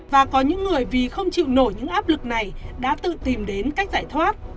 và có những người vì không chịu nổi những áp lực này đã tự tìm đến cách giải thoát